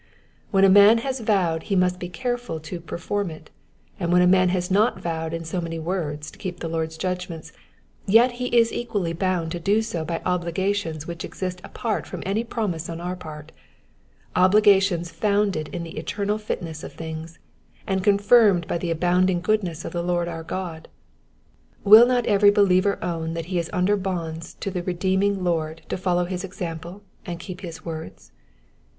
When a man has vowed he must be careful to perform it,'* and when a man has not vowed in so many words to keep the Lord's judg ments, yet is he equally bound to do so by obligations which exist apart from any promise on our part, — obligations founded in the eternal fitness of things, and confirmed by the abounding goodness of the Lord our God. Will not every believer own that he is under bonds to the redeeming Lord to follow his example, and keep his words